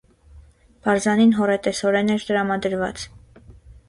Բարզանին հոռետեսորեն էր տրամադրված։